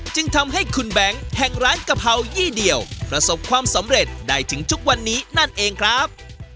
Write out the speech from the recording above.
จึงทำให้คุณแบงค์แห่งร้านกะเพรายี่เดียวประสบความสำเร็จได้ถึงทุกวันนี้นั่นเองครับ